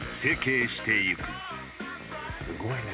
すごいね。